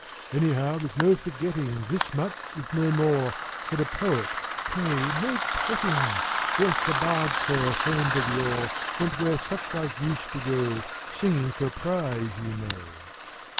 Anyhow there's no forgetting This much if no more, That a poet (pray, no petting !) Yes, a bard, sir, famed of yore, Went where suchlike used to go, Singing for a prize, you know.